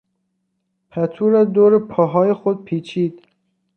پتو را دور پاهای خود پیچید.